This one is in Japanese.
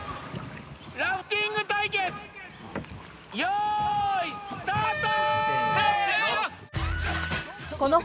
ラフティング対決よーいスタート！